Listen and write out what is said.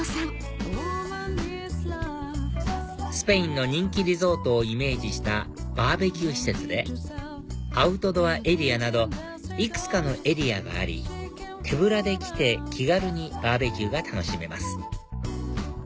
スペインの人気リゾートをイメージしたバーベキュー施設でアウトドアエリアなどいくつかのエリアがあり手ぶらで来て気軽にバーベキューが楽しめます